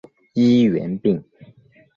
医源病。